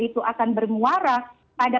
itu akan bermuara pada